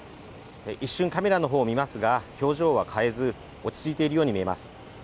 一瞬カメラの方を見ますが表情は変えず落ち着いているように見えます。